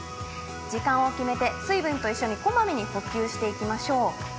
時間を決めて、水分と一緒にこまめに補給していきましょう。